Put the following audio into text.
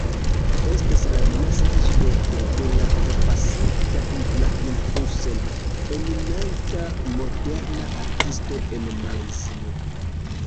Estas la naskiĝloko de la forpasinta Ibrahim Hussein, eminenta moderna artisto en Malajzio.